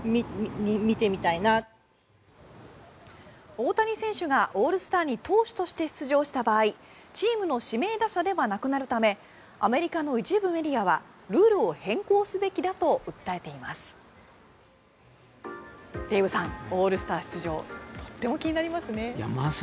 大谷選手がオールスターに投手として出場した場合チームの指名打者ではなくなるためアメリカの一部メディアはルールを変更すべきだと訴えています。